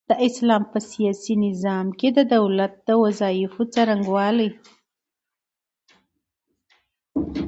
د اسلام په سياسي نظام کي د دولت د وظايفو څرنګوالي